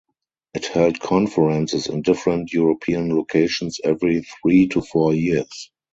It held conferences in different European locations every three to four years.